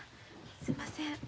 すんません。